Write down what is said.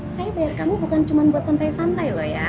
saya biar kamu bukan cuma buat santai santai loh ya